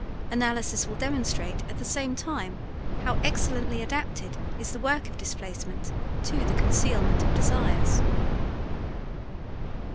Analysis will demonstrate at the same time how excellently adapted is the work of displacement to the concealment of desires.